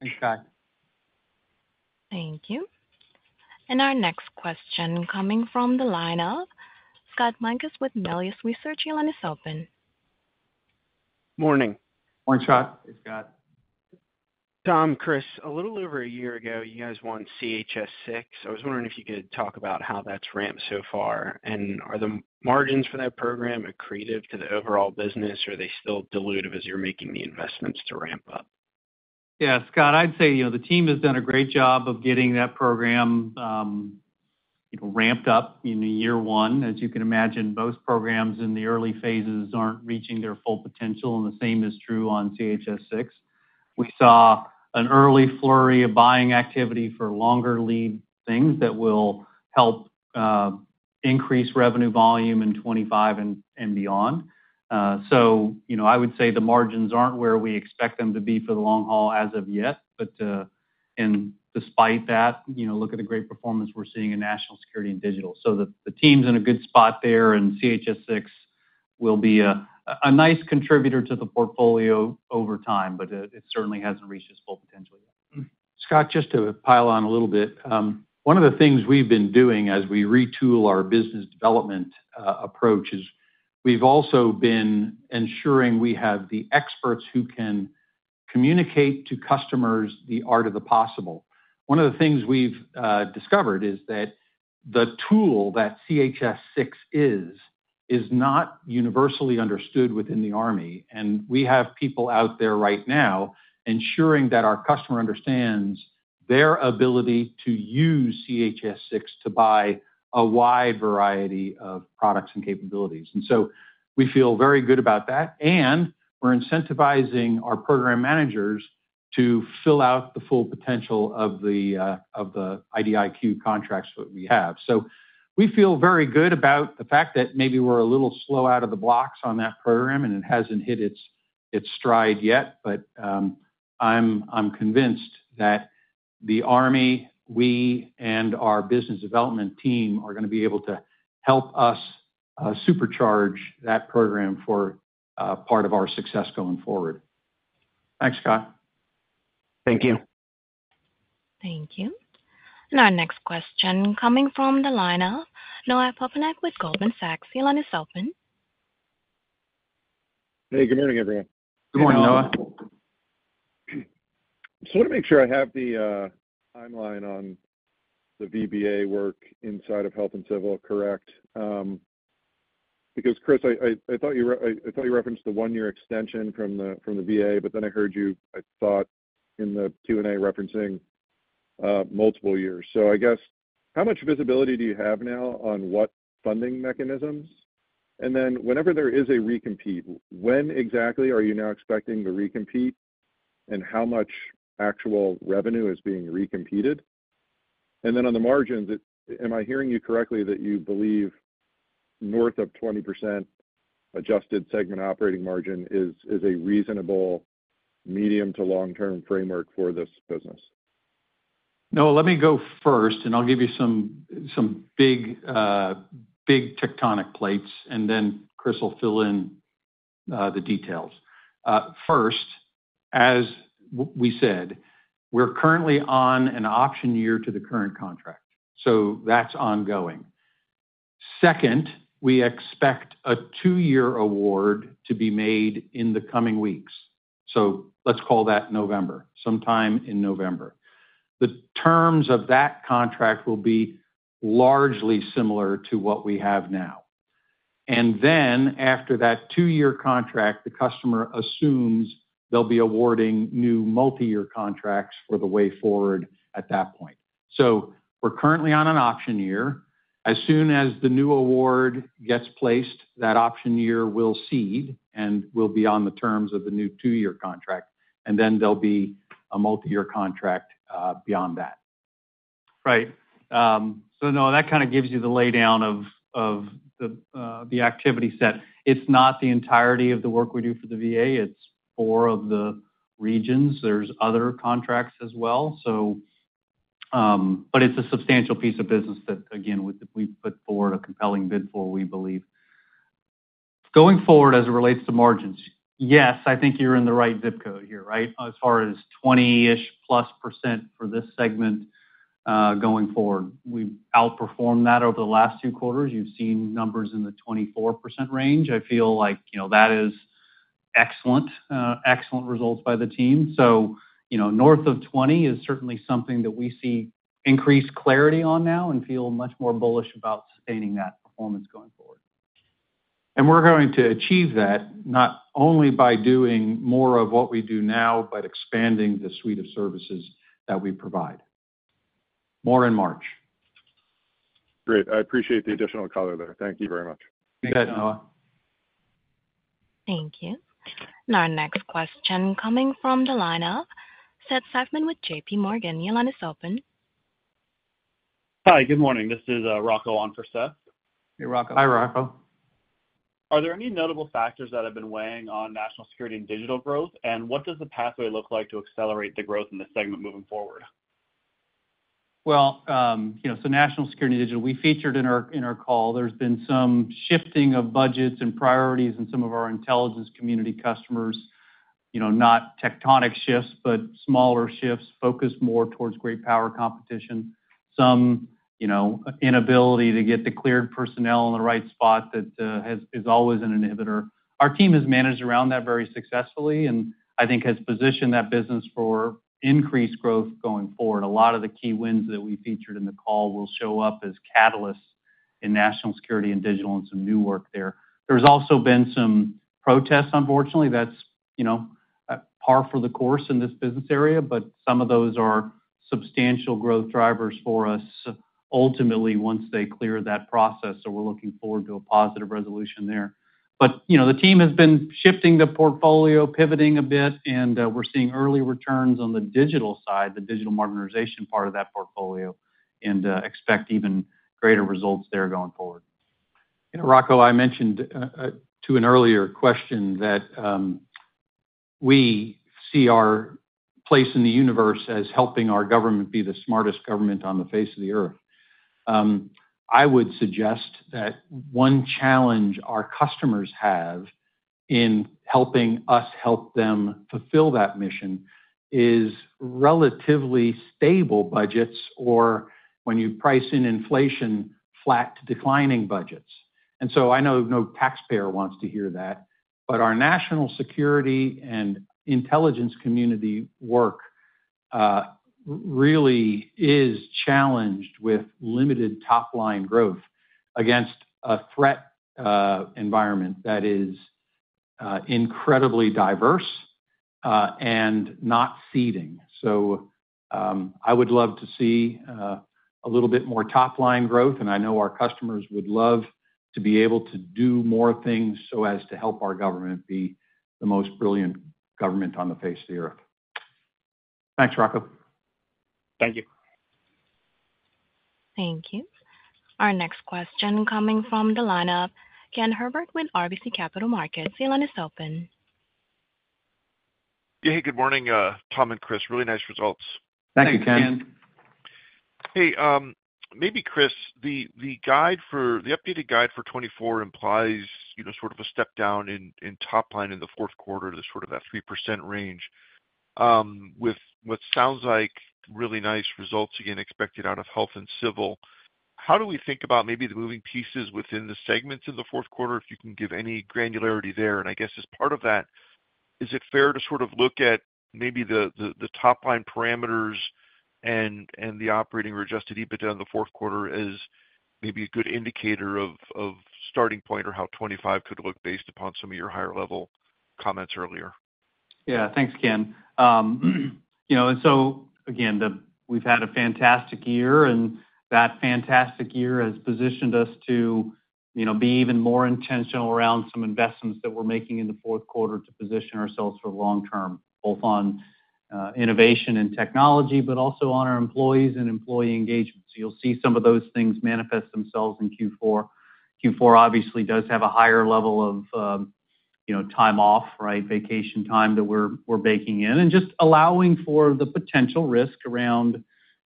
Thanks, Cai. Thank you. And our next question coming from the line of Scott Mikus with Melius Research. Your line is open. Morning. Morning, Scott. Hey, Scott. Tom, Chris, a little over a year ago, you guys won CHS-6. I was wondering if you could talk about how that's ramped so far. And are the margins for that program accretive to the overall business, or are they still dilutive as you're making the investments to ramp up? Yeah, Scott, I'd say the team has done a great job of getting that program ramped up in year one. As you can imagine, most programs in the early phases aren't reaching their full potential, and the same is true on CHS-6. We saw an early flurry of buying activity for longer lead things that will help increase revenue volume in 2025 and beyond. So I would say the margins aren't where we expect them to be for the long haul as of yet. But despite that, look at the great performance we're seeing in National Security and Digital. So the team's in a good spot there, and CHS-6 will be a nice contributor to the portfolio over time, but it certainly hasn't reached its full potential yet. Scott, just to pile on a little bit, one of the things we've been doing as we retool our business development approach is we've also been ensuring we have the experts who can communicate to customers the art of the possible. One of the things we've discovered is that the tool that CHS-6 is not universally understood within the Army. And we have people out there right now ensuring that our customer understands their ability to use CHS-6 to buy a wide variety of products and capabilities. And so we feel very good about that. And we're incentivizing our program managers to fill out the full potential of the IDIQ contracts that we have. So we feel very good about the fact that maybe we're a little slow out of the box on that program, and it hasn't hit its stride yet. But I'm convinced that the Army, we, and our business development team are going to be able to help us supercharge that program for part of our success going forward. Thanks, Scott. Thank you. Thank you. And our next question coming from the line of Noah Poponak with Goldman Sachs. Your line is open. Hey, good morning, everyone. Good morning, Noah. Good morning, Noah. So I want to make sure I have the timeline on the VBA work inside of Health and Civil, correct? Because, Chris, I thought you referenced the one-year extension from the VA, but then I heard you, I thought, in the Q&A referencing multiple years. So I guess, how much visibility do you have now on what funding mechanisms? And then whenever there is a recompete, when exactly are you now expecting the recompete and how much actual revenue is being recompeted? And then on the margins, am I hearing you correctly that you believe north of 20% adjusted segment operating margin is a reasonable medium to long-term framework for this business? Noah, let me go first, and I'll give you some big tectonic plates, and then Chris will fill in the details. First, as we said, we're currently on an option year to the current contract. So that's ongoing. Second, we expect a two-year award to be made in the coming weeks. So let's call that November, sometime in November. The terms of that contract will be largely similar to what we have now. And then after that two-year contract, the customer assumes they'll be awarding new multi-year contracts for the way forward at that point. So we're currently on an option year. As soon as the new award gets placed, that option year will cease and will be on the terms of the new two-year contract, and then there'll be a multi-year contract beyond that. Right, so no, that kind of gives you the laydown of the activity set. It's not the entirety of the work we do for the VA. It's four of the regions. There's other contracts as well, but it's a substantial piece of business that, again, we put forward a compelling bid for, we believe. Going forward, as it relates to margins, yes, I think you're in the right zip code here, right? As far as 20-ish plus percent for this segment going forward. We've outperformed that over the last two quarters. You've seen numbers in the 24% range. I feel like that is excellent, excellent results by the team. So north of 20 is certainly something that we see increased clarity on now and feel much more bullish about sustaining that performance going forward. And we're going to achieve that not only by doing more of what we do now, but expanding the suite of services that we provide. More in March. Great. I appreciate the additional color there. Thank you very much. Thank you, Noah. Thank you, Noah. Thank you. And our next question coming from the line of Seth Seifman with JPMorgan. Your line is open. Hi, good morning. This is Rocco on for Seth. Hey, Rocco. Hi, Rocco. Are there any notable factors that have been weighing on National Security and Digital growth? And what does the pathway look like to accelerate the growth in the segment moving forward? National Security and Digital, we featured in our call, there's been some shifting of budgets and priorities in some of our Intelligence Community customers. Not tectonic shifts, but smaller shifts focused more towards great power competition. Some inability to get the cleared personnel in the right spot that is always an inhibitor. Our team has managed around that very successfully and I think has positioned that business for increased growth going forward. A lot of the key wins that we featured in the call will show up as catalysts in National Security and Digital and some new work there. There's also been some protests, unfortunately. That's par for the course in this business area, but some of those are substantial growth drivers for us ultimately once they clear that process. We're looking forward to a positive resolution there. But the team has been shifting the portfolio, pivoting a bit, and we're seeing early returns on the digital side, the Digital Modernization part of that portfolio, and expect even greater results there going forward. Rocco, I mentioned to an earlier question that we see our place in the universe as helping our government be the smartest government on the face of the earth. I would suggest that one challenge our customers have in helping us help them fulfill that mission is relatively stable budgets or, when you price in inflation, flat declining budgets. And so I know no taxpayer wants to hear that, but our national security and Intelligence Community work really is challenged with limited top-line growth against a threat environment that is incredibly diverse and not ceding. So I would love to see a little bit more top-line growth, and I know our customers would love to be able to do more things so as to help our government be the most brilliant government on the face of the earth. Thanks, Rocco. Thank you. Thank you. Our next question coming from the line of Ken Herbert with RBC Capital Markets. Your line is open. Yeah, hey, good morning, Tom and Chris. Really nice results. Thank you, Ken. Thank you, Ken. Hey, maybe, Chris, the updated guide for 2024 implies sort of a step down in top line in the fourth quarter to sort of that 3% range with what sounds like really nice results again expected out of Health and Civil. How do we think about maybe the moving pieces within the segments in the fourth quarter if you can give any granularity there? I guess as part of that, is it fair to sort of look at maybe the top-line parameters and the operating or adjusted EBITDA in the fourth quarter as maybe a good indicator of starting point or how 2025 could look based upon some of your higher-level comments earlier? Yeah, thanks, Ken. And so, again, we've had a fantastic year, and that fantastic year has positioned us to be even more intentional around some investments that we're making in the fourth quarter to position ourselves for long-term, both on innovation and technology, but also on our employees and employee engagement. So you'll see some of those things manifest themselves in Q4. Q4 obviously does have a higher level of time off, right, vacation time that we're baking in, and just allowing for the potential risk around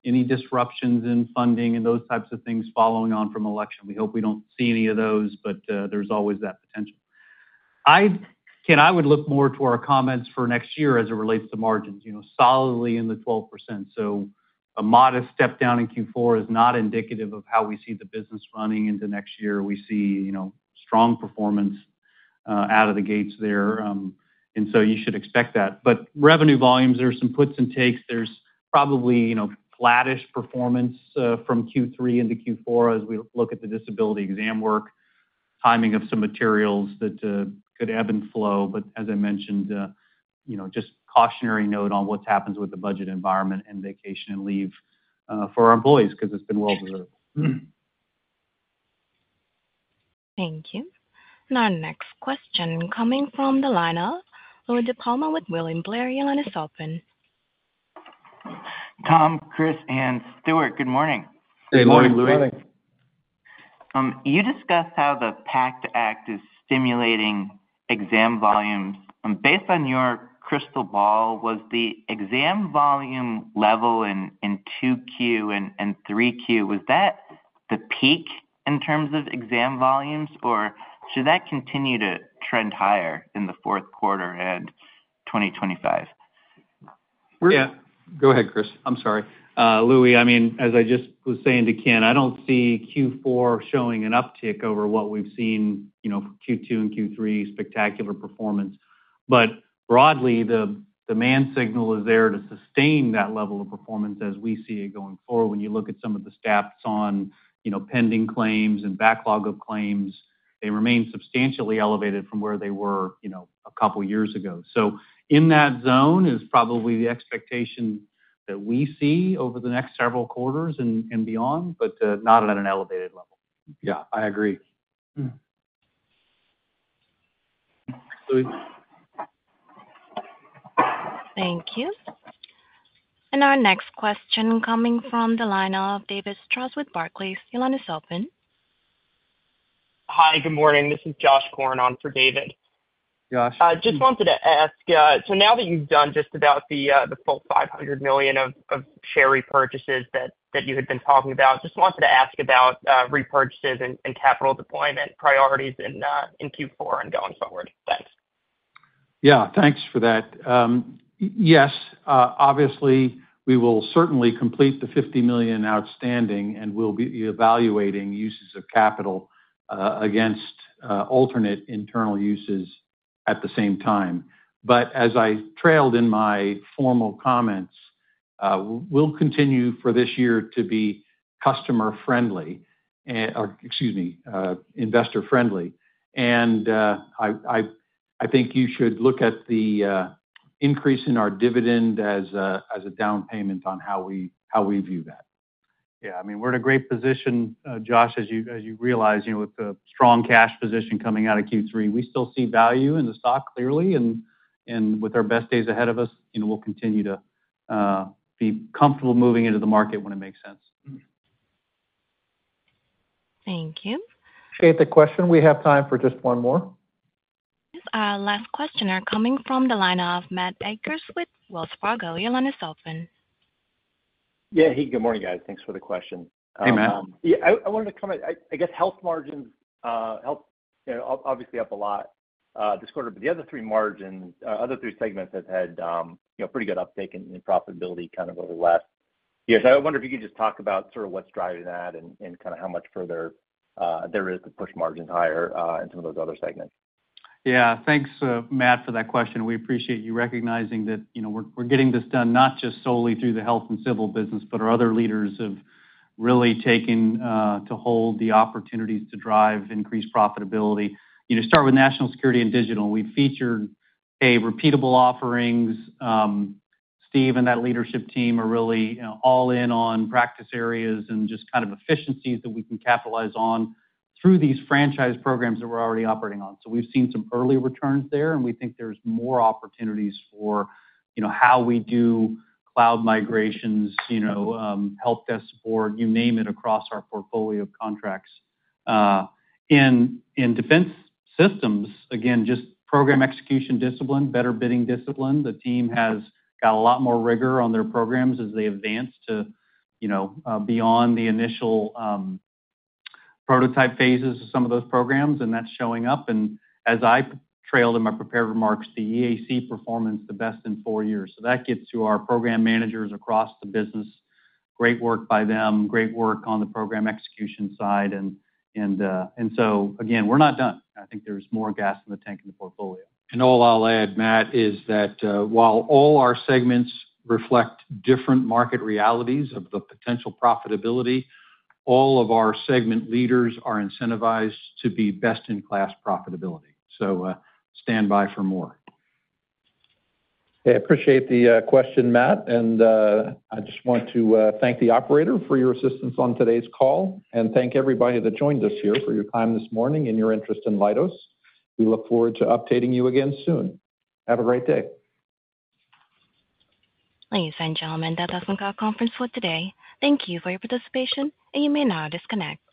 any disruptions in funding and those types of things following on from election. We hope we don't see any of those, but there's always that potential. Ken, I would look more to our comments for next year as it relates to margins, solidly in the 12%. So a modest step down in Q4 is not indicative of how we see the business running into next year. We see strong performance out of the gates there. And so you should expect that. But revenue volumes, there are some puts and takes. There's probably flattish performance from Q3 into Q4 as we look at the disability exam work, timing of some materials that could ebb and flow. But as I mentioned, just cautionary note on what happens with the budget environment and vacation and leave for our employees because it's been well deserved. Thank you. And our next question coming from the line of Louie DiPalma with William Blair. Your line is open. Tom, Chris, and Stuart. Good morning. Good morning, Louis. Good morning. You discussed how the PACT Act is stimulating exam volumes. Based on your crystal ball, was the exam volume level in 2Q and 3Q, was that the peak in terms of exam volumes, or should that continue to trend higher in the fourth quarter and 2025? Yeah. Yeah. Go ahead, Chris. I'm sorry. Louis, I mean, as I just was saying to Ken, I don't see Q4 showing an uptick over what we've seen for Q2 and Q3, spectacular performance. But broadly, the demand signal is there to sustain that level of performance as we see it going forward. When you look at some of the stats on pending claims and backlog of claims, they remain substantially elevated from where they were a couple of years ago. So in that zone is probably the expectation that we see over the next several quarters and beyond, but not at an elevated level. Yeah, I agree. Thank you. And our next question coming from the line of David Strauss with Barclays. Your line is open Hi, good morning. This is Josh Korn on for David. Just wanted to ask, so now that you've done just about the full $500 million of share repurchases that you had been talking about, just wanted to ask about repurchases and capital deployment priorities in Q4 and going forward. Thanks. Yeah, thanks for that. Yes, obviously, we will certainly complete the $50 million outstanding, and we'll be evaluating uses of capital against alternate internal uses at the same time. But as I trailed in my formal comments, we'll continue for this year to be customer-friendly, excuse me, investor-friendly. I think you should look at the increase in our dividend as a down payment on how we view that. Yeah, I mean, we're in a great position, Josh, as you realize, with the strong cash position coming out of Q3. We still see value in the stock clearly, and with our best days ahead of us, we'll continue to be comfortable moving into the market when it makes sense. Thank you. Appreciate the question. We have time for just one more. Last questioner coming from the line of Matt Akers with Wells Fargo. Your line is open. Yeah, hey, good morning, guys. Thanks for the question. Hey, man. Yeah, I wanted to comment, I guess health margins obviously up a lot this quarter, but the other three margins, other three segments have had pretty good uptake in profitability kind of over the last years. I wonder if you could just talk about sort of what's driving that and kind of how much further there is to push margins higher in some of those other segments. Yeah, thanks, Matt, for that question. We appreciate you recognizing that we're getting this done not just solely through the Health and Civil business, but our other leaders have really taken to hold the opportunities to drive increased profitability. Start with National Security and Digital. We've featured, hey, repeatable offerings. Steve and that leadership team are really all in on practice areas and just kind of efficiencies that we can capitalize on through these franchise programs that we're already operating on. So we've seen some early returns there, and we think there's more opportunities for how we do cloud migrations, help desk support, you name it across our portfolio of contracts. In Defense Systems, again, just program execution discipline, better bidding discipline. The team has got a lot more rigor on their programs as they advance to beyond the initial prototype phases of some of those programs, and that's showing up. And as I trailed in my prepared remarks, the EAC performance the best in four years. So that gets to our program managers across the business. Great work by them. Great work on the program execution side. And so, again, we're not done. I think there's more gas in the tank in the portfolio. And all I'll add, Matt, is that while all our segments reflect different market realities of the potential profitability, all of our segment leaders are incentivized to be best-in-class profitability. So stand by for more. Hey, I appreciate the question, Matt. I just want to thank the operator for your assistance on today's call and thank everybody that joined us here for your time this morning and your interest in Leidos. We look forward to updating you again soon. Have a great day. Ladies and gentlemen, that concludes the conference call for today. Thank you for your participation, and you may now disconnect.